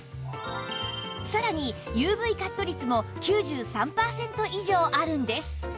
さらに ＵＶ カット率も９３パーセント以上あるんです